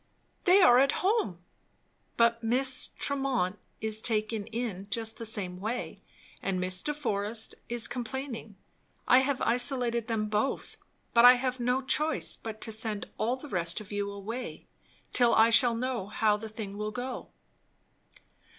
"They are at home." "But Miss Tremont is taken in just the same way, and Miss de Forest is complaining. I have isolated them both; but I have no choice but to send all the rest of you away, till I shall know how the thing will go."